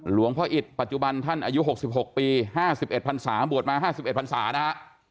หลวงพ่ออิตปัจจุบันท่านอายุหกสิบหกปีห้าสิบเอ็ดพันศาบวชมาห้าสิบเอ็ดพันศานะฮะ